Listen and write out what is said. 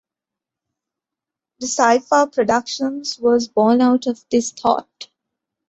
Dcypha Productions was born out of this thought.